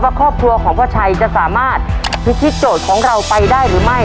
ครอบครัวของพ่อชัยจะสามารถพิธีโจทย์ของเราไปได้หรือไม่